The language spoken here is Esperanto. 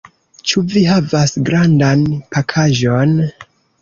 Ĉu vi havas grandan pakaĵon?